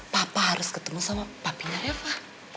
papa harus ketemu sama papinya eva